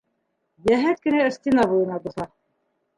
Йәһәт кенә стена буйына боҫа.